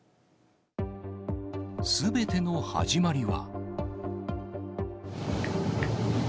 すべての始まりは。